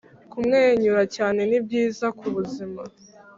kumwenyura cyane ni byiza ku buzima